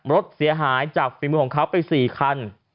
รถเสียหายจากฝีมือของเขาไป๔คัน